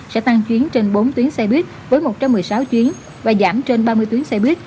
sẽ tăng chuyến trên bốn tuyến xe buýt với một trăm một mươi sáu chuyến và giảm trên ba mươi tuyến xe buýt